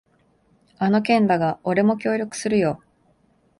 あの件だが、俺も協力するよ。